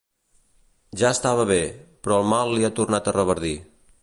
Ja estava bé, però el mal li ha tornat a reverdir.